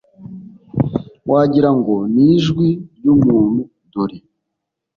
wagira ngo ni ijwi ry umuntu dore